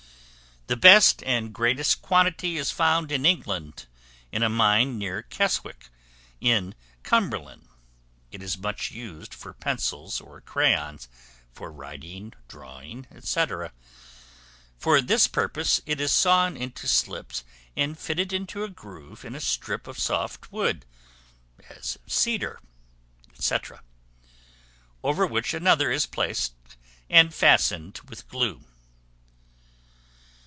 The best and greatest quantity is found in England, in a mine near Keswick, in Cumberland. It is much used for pencils or crayons, for writing, drawing, &c. for this purpose it is sawn into slips, and fitted into a groove in a strip of soft wood, as cedar, &c., over which another is placed and fastened with glue.